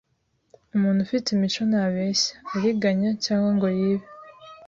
Umuntu ufite imico ntabeshya, ariganya, cyangwa ngo yibe.